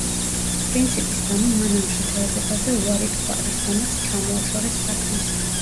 პრინციპის გამო მან ამ შეთავაზებაზე უარი თქვა, რის გამოც ჩამოაშორეს საქმეს.